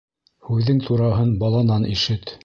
Һүҙҙең тураһын баланан ишет.